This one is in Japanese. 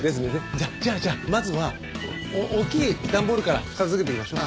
じゃあじゃあじゃあまずは大きい段ボールから片付けていきましょう。